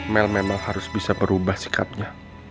mel memang harus bisa berubah sikapnya